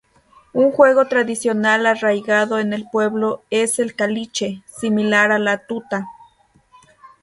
Un juego tradicional arraigado en el pueblo es el caliche, similar a la tuta.